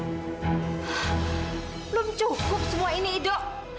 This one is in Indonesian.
belum cukup semua ini dok